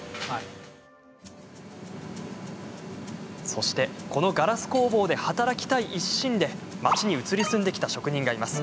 そして、このガラス工房で働きたい一心で町に移り住んできた職人がいます。